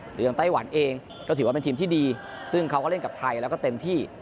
อย่างไต้หวันเองก็ถือว่าเป็นทีมที่ดีซึ่งเขาก็เล่นกับไทยแล้วก็เต็มที่